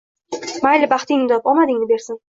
Mayli, baxtingni top, omadingni bersin...